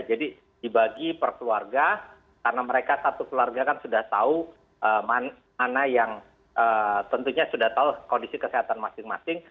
jadi dibagi perkeluarga karena mereka satu keluarga kan sudah tahu mana yang tentunya sudah tahu kondisi kesehatan masing masing